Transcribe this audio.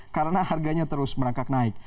karena harganya terus merangkak naik